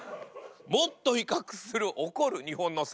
もっと威嚇する怒る日本の猿。